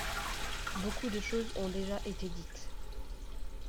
Beaucoup de choses ont déjà été dites.